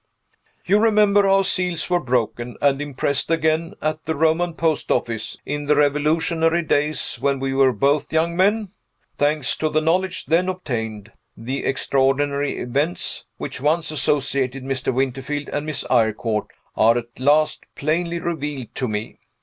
You remember how seals were broken, and impressed again, at the Roman post office, in the revolutionary days when we were both young men? Thanks to the knowledge then obtained, the extraordinary events which once associated Mr. Winterfield and Miss Eyrecourt are at last plainly revealed to me.